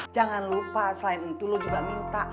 jangan lupa selain itu lo juga minta